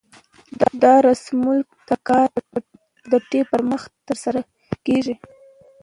دا رسمول د کار د ټوټې پر مخ ترسره کېږي.